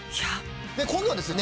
今度はですね